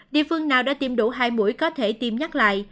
địa phương nào đã tiêm đủ hai mũi có thể tiêm nhắc lại